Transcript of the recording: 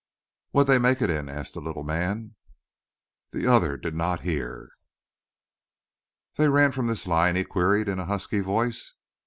"What'd they make it in?" asked the little man. The other did not hear. "They ran from this line?" he queried in a husky voice.